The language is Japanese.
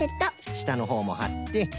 したのほうもはって。